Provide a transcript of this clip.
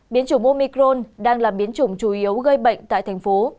biến chủng omicron đang là biến chủng chủ yếu gây bệnh tại thành phố